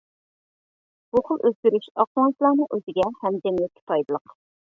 بۇ خىل ئۆزگىرىش ئاقسۆڭەكلەرنىڭ ئۆزىگە ھەم جەمئىيەتكە پايدىلىق.